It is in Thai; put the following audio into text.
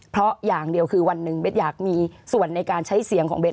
เพราะอย่างเดียวคือวันหนึ่งเบสอยากมีส่วนในการใช้เสียงของเบส